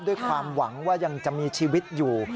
ด้วยความหวังว่ายังจะมีชีวิตอยู่